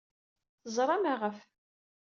Teẓra maɣef.